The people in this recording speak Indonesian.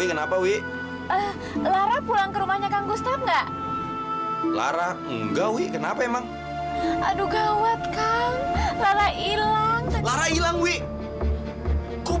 kamu sekali gak liat